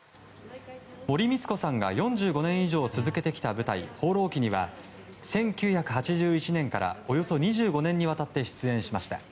森光子さんが４５年以上続けてきた舞台「放浪記」には１９８１年からおよそ２５年にわたって出演しました。